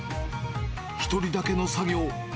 １人だけの作業。